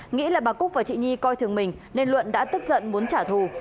nghĩ là bà cúc và chị nhi coi thường mình nên luận đã tức giận muốn trả thù